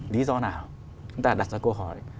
lý do nào chúng ta đặt ra câu hỏi